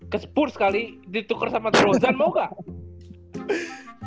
ke spurs kali dituker sama trozan mau gak